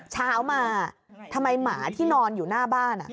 เช้ามาทำไมหมาที่นอนอยู่หน้าบ้าน